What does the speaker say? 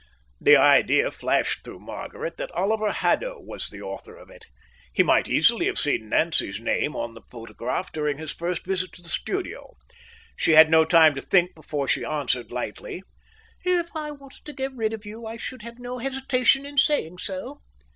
The idea flashed through Margaret that Oliver Haddo was the author of it. He might easily have seen Nancy's name on the photograph during his first visit to the studio. She had no time to think before she answered lightly. "If I wanted to get rid of you, I should have no hesitation in saying so."